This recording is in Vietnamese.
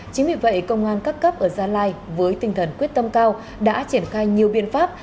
chính vì vậy công an các cấp ở gia lai với tinh thần quyết tâm cao đã triển khai nhiều biện pháp